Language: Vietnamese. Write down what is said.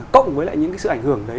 cộng với lại những cái sự ảnh hưởng đấy